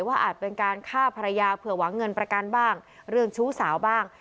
อาจเป็นการฆ่าภรรยาเผื่อหวังเงินประกันบ้างเรื่องชู้สาวบ้าง